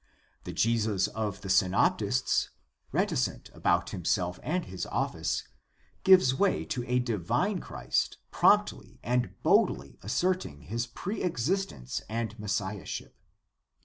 The Jesus of the Synoptists, reticent about himself and his office, gives way to a divine Christ promptly and boldly asserting his pre existence and messiahship.